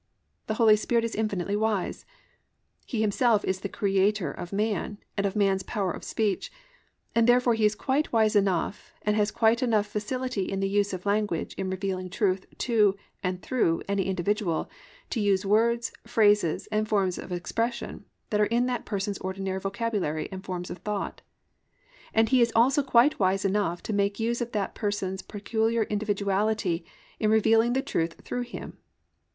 The Holy Spirit is infinitely wise. He Himself is the Creator of Man, and of man's power of speech, and therefore he is quite wise enough and has quite enough facility in the use of language in revealing truth to and through any individual to use words, phrases and forms of expression that are in that person's ordinary vocabulary and forms of thought, and He is also quite wise enough to make use of that person's peculiar individuality in revealing the truth through him.